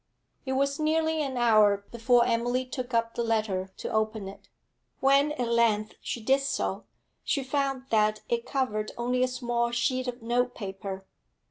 It was nearly an hour before Emily took up the letter to open it. When at length she did so, she found that it covered only a small sheet of notepaper.